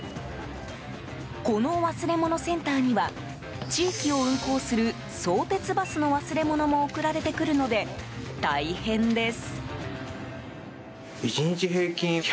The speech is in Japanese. この忘れ物センターには地域を運行する相鉄バスの忘れ物も送られてくるので、大変です。